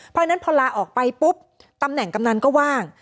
เพราะฉะนั้นพอลาออกไปปุ๊บตำแหน่งกำนันก็ว่าง